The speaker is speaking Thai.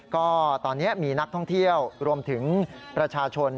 ก็ตอนนี้มีนักท่องเที่ยวรวมถึงประชาชน